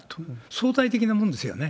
相対的なもんですよね。